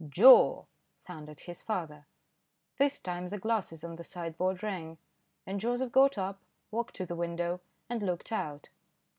"Joe," thundered his father. This time the glasses on the sideboard rang, and Joseph got up, walked to the window and looked out.